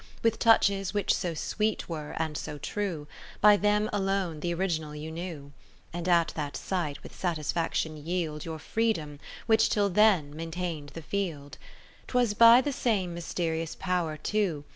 ^\'ith touches, which so sweet were and so true. By them alone th' original you knew ; Andat that sight with satisfaction yield \'our freedom which till then maintain'd the field. 20 'Twas by the same mysterious power too.